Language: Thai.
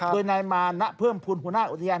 โดยนายมารณเพิ่มภูมิหุ่นหุ่นห้าอุดยาน